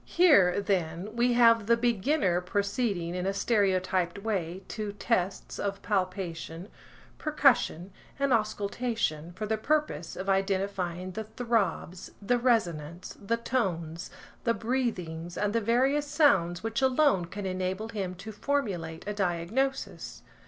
Here, then, we have the beginner proceeding in a stereotyped way to tests of palpation, percussion, and auscultation, for the purpose of identifying the throbs, the resonance, the tones, the breathings, and the various sounds which alone can enable him to formulate a diagnosis.